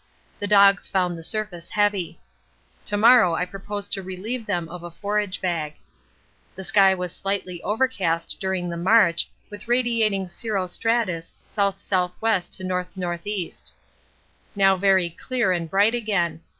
The dogs found the surface heavy. To morrow I propose to relieve them of a forage bag. The sky was slightly overcast during the march, with radiating cirro stratus S.S.W. N.N.E. Now very clear and bright again.